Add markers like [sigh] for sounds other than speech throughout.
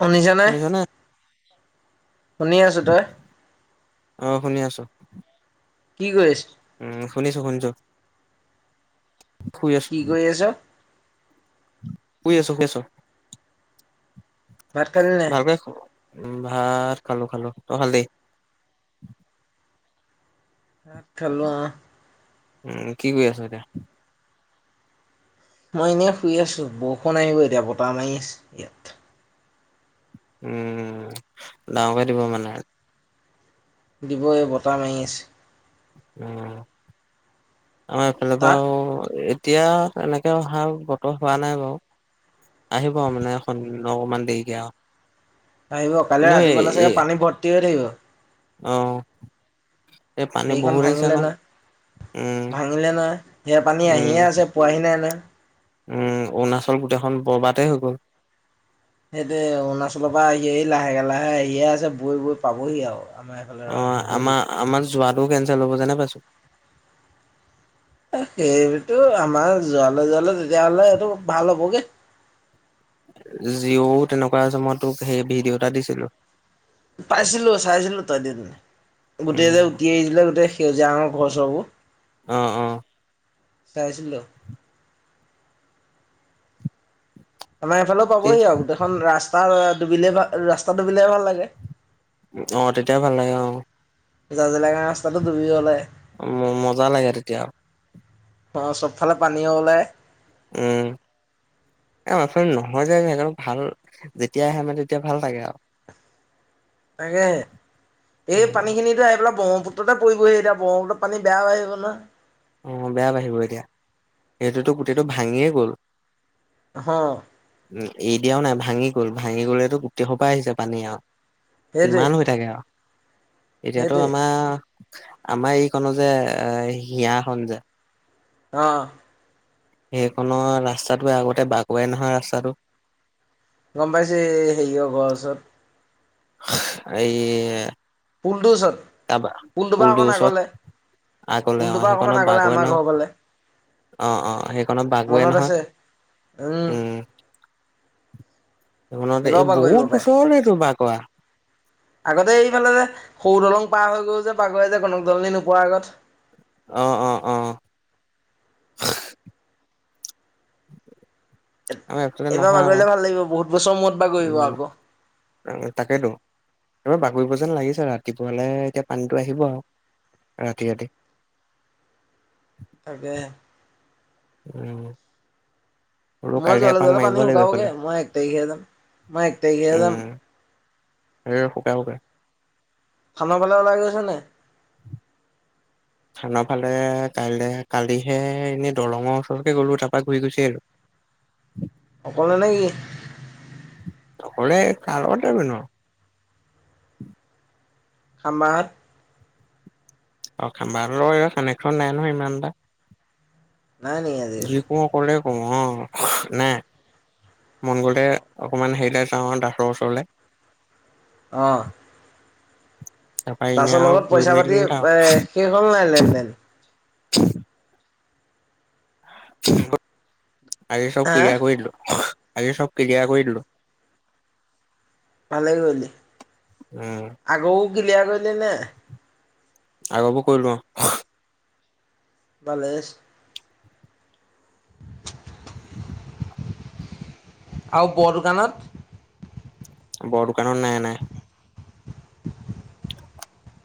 শুনিছানে শুনিছ নে? শুনি আছো তই অ' শুনি আছো। কি কৰিছ উম শুনিছোঁ শুনিছোঁ কি কৰি আছ শুই আছোঁ শুই আছোঁ ভাত খালি নাই উম ভাত খালো খালো তই খালি ভাত খালোঁ অহ উম কি কৰি আছ এতিয়া মই এনেই শুই আছোঁ বৰষুণ আহিব এতিয়া বতাহ মাৰি আছে ইয়াত উম ডাঙকে দিব মানে। দিবই বতাহ মাৰি আছে উম আমাৰ এইফালে তাত বাওঁ এতিয়া এনেকে ভাল বতৰ হোৱা নাই বাৰু আহিব মানে এখন অকমান দেৰিকে আৱ আহিব কাইলে ৰাতিপুৱালে চাগে পানী ভৰ্তি হৈ থাকিব অ এ পানী হেৰিখন বহুত আহিছে ভাঙিলে ন নহয়। উম, ভাঙিলে নহয় সেয়া পানী উম, আহিয়ে আছে পোৱাহি নাই নহয় উম অৰুণাচল গোটেইখন বৰবাতে হৈ গ'ল সেইটোৱে অৰুণাচলৰ পৰা আহি আহি লাহেকে লাহে আহিয়ে আছে বৈ বৈ পাবহি আৱ অ আমা আমাৰ যোৱাটো কেনচেল হ'ব যেনে পাইছোঁ যোৱালে তেতিয়াহ'লে এইটো ভাল হ'বগে জিঅ'ও তেনেকুৱা হৈছে মই তোক সেই ভিডিঅ' এটা দিছিলো পাইছিলো চাইছিলো তই দিয় নাই গোটেই যে উম উটি আহিছিলে গোটেই সেউজীয়া ৰঙৰ ঘৰ চৰবোৰ অ', অ'। চাইচিলো আমাৰ এইফালেও পাবহি আৱ গোটেইখন ৰাস্তা ডুবিলে ভা ৰাস্তা ডুবিলে ভাল লাগে। অ তেতিয়া ভাল লাগে অ জা জেলেঙা ৰাস্তাটো দুুবি গ'লে ম মজা লাগে তেতিয়া অ চবফালে পানীও ওলায় উম এ আমা ফালে নহয় যে সেইকাৰণে ভাল যেতিয়া আহে মানে তেতিয়া ভাল লাগে আৱ তাকে এই পানী খিনিতে আহি পেলাই ব্ৰহ্মপুত্ৰতে পৰিবহি এতিয়া ব্ৰহ্মপুত্ৰ পানী বেয়া হৈ আহিব ন। অ বেয়া বাঢ়িব এতিয়া। এইটোতো গোটেইটো ভাঙিয়ে গ'ল। হ। উ এৰি দিয়াও নাই। ভাঙি গল, ভাঙি গ'লেতো গোটেই সোপাই আহিছে পানী আও। সেইটোৱে কিমান হৈ থাকে আও। এতিয়াতো সেইটোৱে আমাৰ, আমাৰ এইকনৰ যে এ হিয়াখন যে অ। সেইখনৰ ৰাস্তটোৱে আগতে বাকুৱাই নহয় ৰাস্তাটো। গম পাইছে হেৰিও ঘৰৰ ওচৰত। এই পুলটোৰ ওচৰত। কাৰবা পুলটোপা পুলটোৰ অকণ ওচৰত আগলে। আগলে পুলটোপা অকমান আগলে আমাৰ ঘৰৰ ফালে। অ-অ সেইখনত বাগুৱে মনত নহয়। আছে উম। তে এইবাৰো এই পাহৰিব বহুত পাৰে। বছৰ হল সেইটো বাগুৱা। আগতে এইফালে যে সৰু দলং পাৰ হৈ গল যে পাগল যে কনক দলনি নোপোৱাৰ আগত অ-অ-অ। আমাৰ এইফালে এইবাৰ নহয় আকৌ বাগৰিলে ভাল লাগিব। বহুত বছৰ মূৰত বাাগৰিব আকৌ। তাকেইেতো। এইবাৰ বাকৰিব যেন লাগিছে। ৰাতিপুৱালৈ এতিয়া পানীটো আহিব আও। ৰাতি-ৰাতি। তাকেহে। উম। হলো মই কাইলে যোৱালে এপাক যোৱালে মাৰিব পানী লাগিব শুকাবগে। এইফালে মই এক তাৰিখেহে যাম, মই এক তাৰিখেহে যাম। শৰীৰৰ শুক শুকে [unintelligible] থানৰ ফালে ওলাই গৈছে নে নাই? থানৰ ফালে কাই কালিহে এনেই দলঙৰ ওচৰকে গ'লো। তাৰপা ঘূৰি গুছি আহিলোঁ। [inaudible] অকলে নে কি? অকলে কাৰ লগত যাবিনো। খাম্বাহাত অ খা নবাহঁতৰ লগত কানেকচন নাই নহয় ইমান এটা। নাই নেকি যি আজিকালি? কওঁ অকলে অ নাই। মন গতে অকমান হেৰি [unintelligible] অ ডাক্তৰ ওচৰলে। অঁ। তাপা এনেই আও ঘূৰি পইচা পাতি মেলি এ শেষ হ'ল নাই লেন দেন [unintelligible] আজি চব হা ক্ৰিয়া কৰি দিলোঁ। আগে চব কিলিয়াৰ কৰি দিলোঁ। ভালেই কৰিলি। উম, আগৌও কিলিয়াৰ কৰিলি নে? আগবোৰ কৰিলো [unintelligible] ভালে হৈছে। আৰু বৰ দোকানত? বৰ দোকানত, নাই নাই।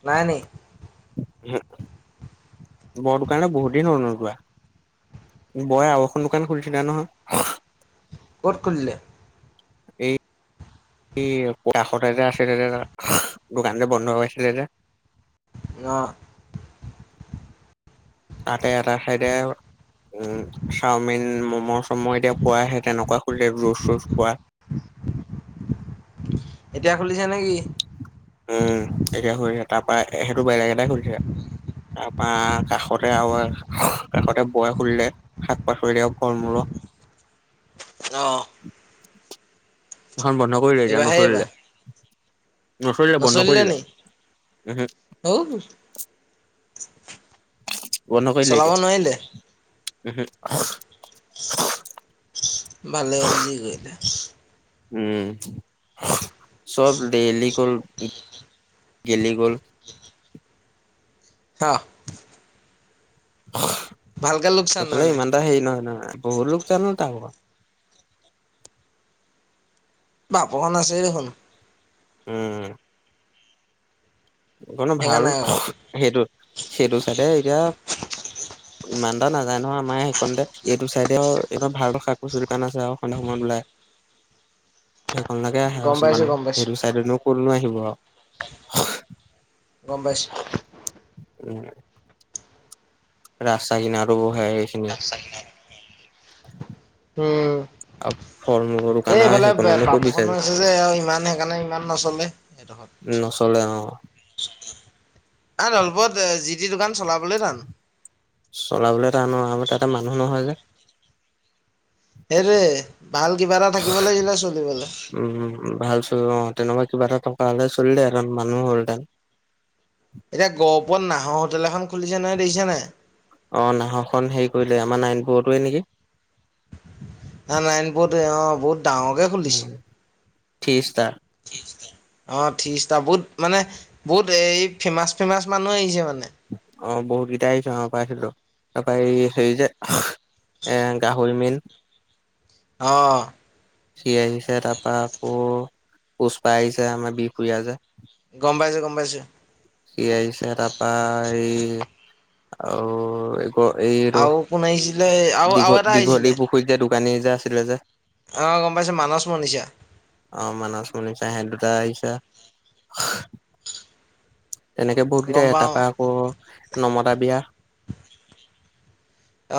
নাই নেকি? বৰদোকানত বহুত দিন হৈ গ'ল নোযোৱা। বোৱা এ আও এখন দোকান খুলিছিলে নহয়। কত খুলিলে? এই স কাষতে যে আছিলে যে দোকান যে বন্ধ হৈ আছিলে যে। অ। আতে এটা চাইডে। উম চাওমিন ম'ম' চম' এতিয়া পোৱ আহে তেনেকুৱা খে জুচ চুচ পোৱা। [unintelligible] এতিয়া খুলিছে নেকি। উম এতিয়া খছে তাৰ পৰাৰা সেইটো বেলেগ এটাই ঘুৰিছে। তাৰপা কাষতে আৰু কাষতে বয় শুলিলে শাক পাচলিলে আৰু ফল মূলক। [unintelligible] অহ। খন বন্ধ কৰিলে এতিয়া এইবাৰহে এইবাৰ নচলিলে। নচলিলে বন্ধ কৰি দিলে। ঔ বন্ধ কৰিলে চলাব এতিয়া নোৱাৰিলে উ হু। ভালে হ'ল জি কৰিলে। উম চব ডেইলি কৰি। গেলি গ'ল। হা। ভালকে লোকচান এইফালে মানে ইমান এটা হেৰি নহয় নহয় বহুত লোকচান তাৰ ভাগৰ। বাপখন আছে দেখোন। উম। কণো ভাল সেইকাৰণে আৰু সেইটো সেইটো চাইটে এতিয়া। ইমান এটা নাযানো নহয় আমাৰ সেইখনণতে এইটো চাইদৰ ভাল শাক পচিলী দোকান আছে আৰু সন্ধা সময়ত ওলাই। [unintelligible] ভাল লাগে আহে গম পাইছো মানে গম পাইছো সেইটো চাইডতনো ক'তনো আহিব আও। গম পাইছোঁ। উম। ৰাস্তাকিনাটো বহে সেইখিনি। উম। দোকান এই আৰু এইফালে পাপ সেইকণনো ক'ত বাপুকনৰ বিচাৰিব আছে যে আৰু ইমান সেইকাৰণে ইমান নচলে সেইডোখৰত। নচলে অ। আ দলপত জি টি দোকান চলাবলৈ টান। চলাবলৈ টান অ আৰু তাতে মানুহ নহয় যে। সেইটোৱে ভাল কিবা এটা থাকিব লাগছিলে চলিবলৈ। ত অ তেনেকুৱা কিবা এটা থকা হ'লে চলিলে আৰু মানুহ হ'লহেতেন। এতিয়া গহপুৰত নাহৰ হোটেল এখন-। খুলিছে নহয় দেখিছা নাই অ নাহৰখন হেৰি কৰিলে আমাৰ নাইন বত-। টোৱে নেকি। না নাইন বৰ্ত এ অ বহুত- ডাঙৰকে খুলিছে। থ্ৰী ষ্টাৰ অ থিৰিষ্টাৰ বহুত মানে বহুত এই ফেমাৰ্চ ফেমাৰ্চ মানুহ আহিছে মানে। অ বহুতকেইটা আহিছে অহ পাইছিলো। তাৰপৰা এই হেৰি যে-। গাহৰি মেইন-। অ। সি আহিছে তাৰপৰা আকৌ পুষ্পা আহিছে আমাৰ বিহফুৰিয়া যে। গম পাইছো গম পাইছো। কি আহিছে তাৰপা এই আৰু-। আকৌ এইটো আৰু কোন আহিছিলে আৰু আৰু দীঘল এটা দীঘলী আহিছিলে পুখুৰীত যে দোকানী যে আছিলে যে। অ গম পাইছো মানস মনিষা অ মানস কুলিতা সেইতি দুটা-। এ আহিছে তেনেকে বহুত কেইটা গম পাও এটা-। পৰা আকৌ নমতা বিয়া।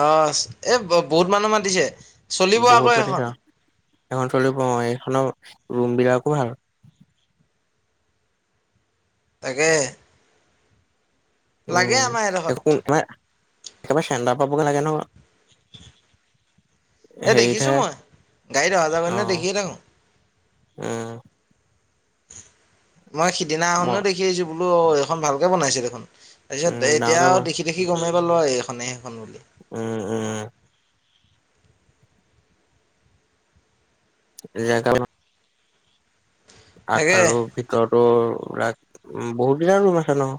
অহ এ বহুত মানুহ মাতিছে চলিব বহুত আকৌ মাতিছে এখন। আৰু এখন চলিব অ এইখনৰ ৰুম বিলাকো ভাল। তাকে। উম লাগে [unintelligible] আমাৰ এইডোখৰত একেবাৰে চেন্দা পাবগৈ লাগে ন। এ দেখিছো হেৰিতহে মই গাড়ীত অহা যোৱা কৰে নহয় দেখিয়ে থাকো। উমঁ। মই ম সিদিনাখনো দেখি আহিছো বোলো অ এইখন ভালকৈ বনাইছে দেখোন। তাৰপিছত উম ডাঙৰকে এতিয়াও বনা দেখি দেখি গমেই পালো আৰু এইখনেই। উম উম। [unintelligible] তাকে আগফালো ভিতৰতো ৰা উম বহুত দিনৰ ৰুম আছে ন।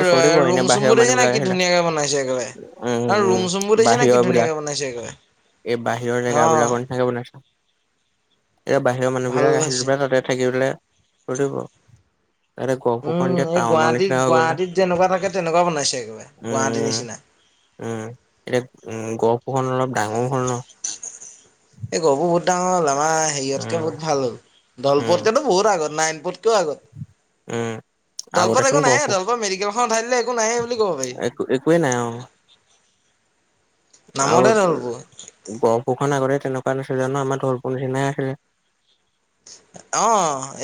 এ চলিব এনে ৰুম বাহিৰৰ চুমবোৰ মানুহ দেখিছা নাই বিলাক কি আহিলে ধুনীয়াকে বনাইছে একেবাৰে। উম ন উম ৰুম চুমবোৰ দেখিছা নাই বাহিৰৰ কি বিলাক ধুনীয়াকে বনাইছে- একেবাৰে। এই বাহিৰৰ জেগা অ বিলাকৰ নিচাকে বনাইছে। এতিয়া বাহিৰৰ মানুহ ভাল বিলাক আহিলে হৈছে বা তাতে থাকি- [unintelligible] তাতে গহপুৰখন উম যে এই টাউনৰ গুৱাহাটীত নিচিনা হৈ গল যে গুৱাহাটীত যেনেকুৱা থাকে তেনেকুৱা বনাইছে একেবাৰে গুৱাহাটীৰ উম। নিচিনা উম এতিয়া উম গহপুৰখন অলপ ডাঙৰও হ'ল ন। এই গহপুৰ বহুত ডাঙৰ হ'ল আমাৰ হেৰিয়তকে উম, বহুত ভাল হ'ল উম, দলপতকেতো বহুত আগত নাইন- কৈও আগত। উম। আগতে দলপত চোন একো নাহে গহপুৰ, দলপত মেডিকেলখন উঠাই দিলে একো নাহে বুলি ক'ব পাৰি একো একোৱেই নাই অ। আৰু নামতহে দলপুৰ গহপুৰখন আগতে- তেনেকুৱা নাছিলে ন আমাৰ ধৰ্প নিচিনাই আছিলে অ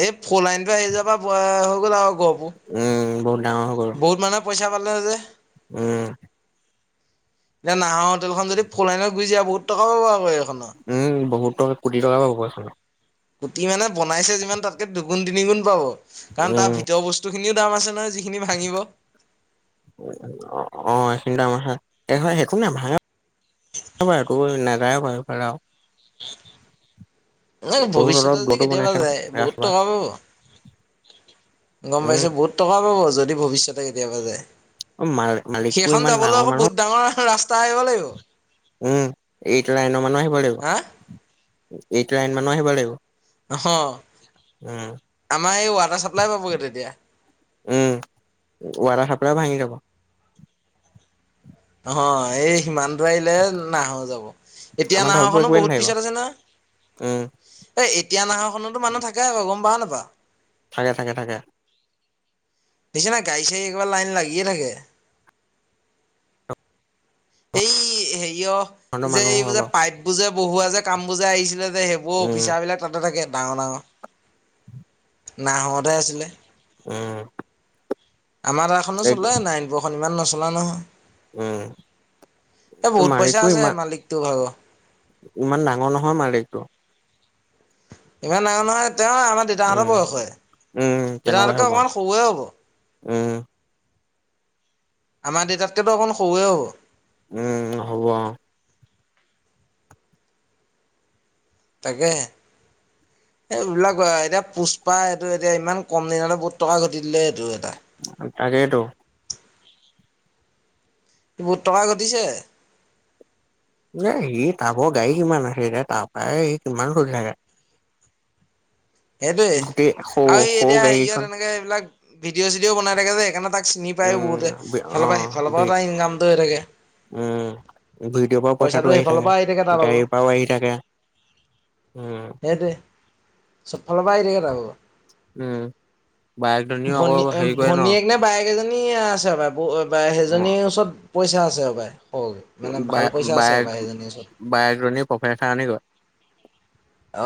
এই ফলাইনটো আহি যোৱা পৰা হৈ গল আৰু গহপুৰ উম বহুত ডাঙৰ হৈ গল বহুত মানুহে পইচা পালে যে উম। এতিয়া নাহৰ হোটেলখন যদি ফলাইনত গুচি যায় বহুত টকা পাব আক। উম বহুত টকা কোটি টকা পাব। কুটি মানে বনাইছে যিমান তাতকে দুগুণ তিনি গুণ পাব কাৰণ উম, তাৰ ভিতৰৰ বস্তু। খিনিও দাম আছে নহয়। যিখিনি ভাঙিব অ এইখিনি দাম আছে এ একো নাই ভাঙা একো বুলি নাযায় ক সৈইফালে আও এ বহু ভৱিষ্যতে অলপ যদি গুৰতো বনাই কেতিয়াবা খাই লওঁ যায় ৰাস বহুত ৰাস। টকা পাব গম পাইছো বহুত টকা পাব যদি ভৱিষ্যতে কেতিয়াবা যায়। মাল-মালিকটো সেইখন ইমান যাবলৈ ডাঙৰ আকৌ মানুহ। বহুত ডাঙৰ ৰাস্তা আহিব লাগিব। উম এইট লাইনৰ মানৰ আহিব লাগিব হা এইটো লাইন মানৰ আহিব লাগিব। অ উম। আমাৰ এই ৱাটাৰ চাপ্লাই পাবগৈ তেতিয়া। উম ৱাটাৰ চাপ্লাই ভাঙি যাব। অ এই সিমান। আহিলে নাহৰ যাব এতিয়া আমাৰ ঢলপুৰ নাহৰখনো একোৱে বহুত নাথাকিব। পিছত আছে নহয়। উম, এ এতিয়া নাহৰখনতো মানুহ থাকে আকৌ গম পাৱ নাপাঅ। থাকে থাকে থাকে। দেখিছা নাই গাড়ী চাৰি একেবাৰে লাইন লাগিয়ে থাকে। এই তহঁতৰ হেৰিয় যে মানুহ হয় এবোজে বাৰু। পাইপ বোজে বহুৱা যে কাম বুজে আহিছিলে। সেইবোৰ উম, অফিচাৰ বিলাক তাতে থাকে ডাঙৰ ডাঙৰ নাহৰতহে আছিলে। উম। আমাৰ তাখনো এই চলে নাৰায়ণপূৰৰ খন ইমান নচলা নহয়। উম। এ বহুত পইচা মালিকটো আছে ইমান মালিকটো ভাগৰ। ইমান ডাঙৰ নহয় মালিকটো। ইমান ডাঙৰ নহয়। তেওঁ আমাৰ দেতাহঁতৰ উম, বয়সৰে উম, তেনেকুৱাই দেতাহতকে হ'ব। অকণমান সৰুয়ে হ'ব। উম। আমাৰ দেউতাতকে তো অকণ সৰু এ হব। উম হব অ। তাকে হে। এ এইবিলাক এতিয়া পুষ্পা এইটো এতিয়া ইমান কম দিনতে বহুত টকা ঘটি দিলে এইটো এটা। তাকেইটো। বহুত টকা ঘটিছে। এ সি তা ভাগৰ গাড়ী কিমান আছে তাপাই সি কিমান চলি থাকে। সেইটোয়ে গোটেই সৰু আৰু সি সৰু এতিয়া গাড়ীখন হেৰিয়ত এনেকে সেইবিলাক ভিডিঅ' চিডিঅও বনাই থাকে যে সেইকাৰণে তাক। চিনি পায়ো বহুতে উম, সেফালৰ পৰা অ' সেইফালৰ পাও ইনকামটো হৈ থাকে। পইচাটো সেইফালৰ পৰা আহি থাকে তাৰ ভাগৰ। গাড়ীৰ পৰাও আহি থাকে। উম, সেইটোৱে চব ফালৰ পাই আহি থাকে তাৰভাগৰ। উম, বায়েকজনীও আকৌ ভনী হেৰি কৰে ন ভনীয়েক নে বায়েকে কেইজনী আছে সেইজনীৰ ওচৰত পইচা আছে হপাই সৰহকে মানে ভাল। বা পইচা আছে হপাই সেইজনীৰ ওচৰত। বায়েক জনী প্ৰফেচাৰনি কৰে। অ।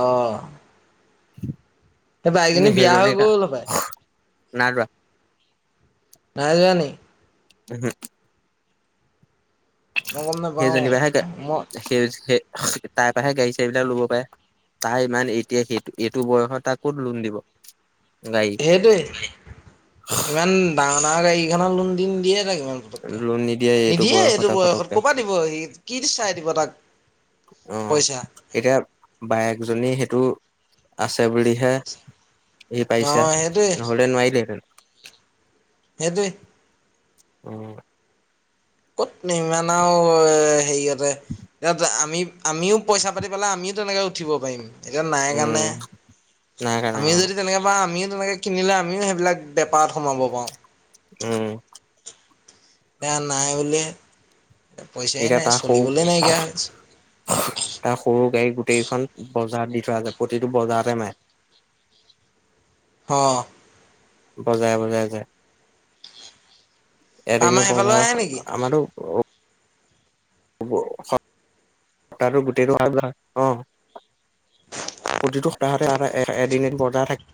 এই বাইজনী বিয়া হৈ সেইজনী গল হপাই। নাই লোৱা নাইযোৱা নি। উহো মই গম নাপাওঁ সেইজনীৰ পৰাহে মই সেই সেই তাৰ পৰাহে গাড়ী চাড়ীবিলাক লব পাৰে। তাই মানে এতিয়া সেই এইটো বয়সত তাক কত লোন দিব। গাড়ী সেইটোৱে ইমান ডাঙৰ ডাঙৰ গাড়ীখনৰ লোন দিন দিয়ে তাকে। পকে লোন নিদিয়ে বয়সতে এইটো বয়সত ফটককে ক'বাত দিব সি কি চাই দিব তাক। অ পইচা এতিয়া বায়েকজনী সেইটো- আছে বুলিহে ই অ পাইছো সেইটোৱে নহলে নোৱাৰিলে হেতেন। সেইটোৱে। উম। কত নিমানও হেৰিয়তে। আমি আমিও পইচা পাতি পেলাই আমিও তেনেকে উঠিব পাৰিম। এতিয়া নাই উম কাৰণে নাই কাৰণে আমিও আৰু যদি তেনেকে বা আমিও। নেকে কিনিলে আমিও সেইবিলাক বেপাৰত সোমাব পাৰো। উম। ন নাই বুলি। এতিয়া তাৰ সৰু তাৰ সৰু গাড়ী গোটেইখন ব বজাৰ দি থোৱা যায় প্ৰতিটো বজাৰতে মান হ বজাই বজাই যাই। এদিনো আমাৰ সেইফালে বজাৰ আহে নেকি আমাৰো। হ'ব। তাৰো গোটেইটো অ। প্ৰতিটো সপ্তাহতে আৰু এদিনত বজা থাকে।